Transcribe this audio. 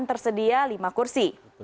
tersedia lima kursi